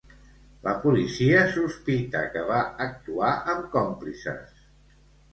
La policia sospita que va actuar amb còmplices.